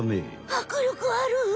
はくりょくある！